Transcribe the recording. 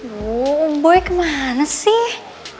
wuh boy kemana sih